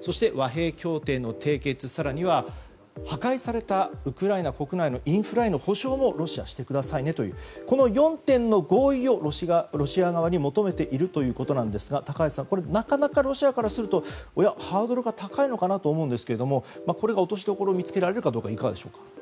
そして、和平協定の締結更には破壊されたウクライナ国内のインフラへの補償もロシアはしてくださいねというこの４点の合意をロシア側に求めているということですが高橋さん、これなかなかロシアからするとおや、ハードルが高いのかなと思うんですが落としどころを見つけられるかどうかいかがでしょうか。